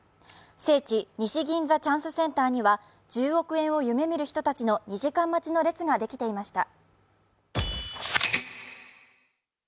聖地・西銀座チャンスセンターには１０億円を夢見る人たちの２時間待ちの列ができていました。